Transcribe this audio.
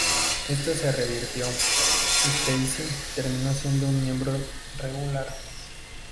Esto se revirtió, y Stacy terminó siendo un miembro regular.